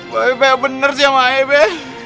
bapak bener siamahe be